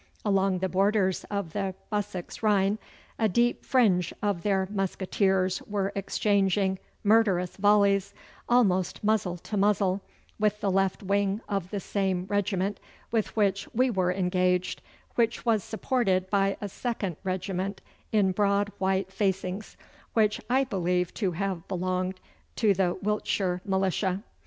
Along the borders of the Bussex Rhine a deep fringe of their musqueteers were exchanging murderous volleys, almost muzzle to muzzle, with the left wing of the same regiment with which we were engaged, which was supported by a second regiment in broad white facings, which I believe to have belonged to the Wiltshire Militia.